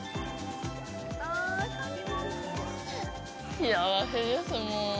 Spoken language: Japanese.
幸せです、もう。